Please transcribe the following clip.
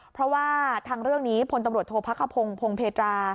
เพราะว่าทางเรื่องนี้พลตำรวจโทษพระขพงศ์พงเพตรา